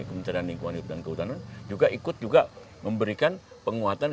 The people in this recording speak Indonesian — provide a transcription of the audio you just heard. kementerian lingkungan hidup dan kehutanan juga ikut juga memberikan penguatan